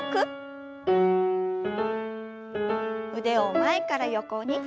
腕を前から横に。